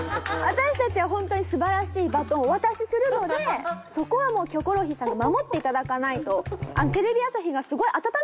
私たちはホントに素晴らしいバトンをお渡しするのでそこはもう『キョコロヒー』さんが守って頂かないと。